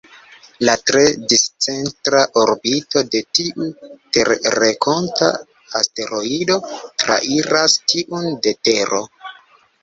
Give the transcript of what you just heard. La tre discentra orbito de tiu terrenkonta asteroido trairas tiun de Tero.